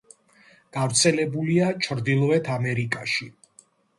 გავრცელებულია ჩრდილოეთ ამერიკაში.